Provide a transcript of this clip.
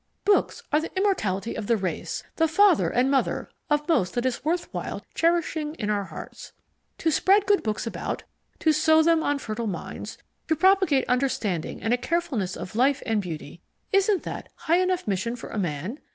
Books are the immortality of the race, the father and mother of most that is worth while cherishing in our hearts. To spread good books about, to sow them on fertile minds, to propagate understanding and a carefulness of life and beauty, isn't that high enough mission for a man?